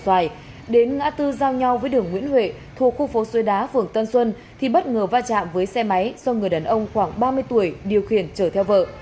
xoài đến ngã tư giao nhau với đường nguyễn huệ thuộc khu phố xuôi đá phường tân xuân thì bất ngờ va chạm với xe máy do người đàn ông khoảng ba mươi tuổi điều khiển chở theo vợ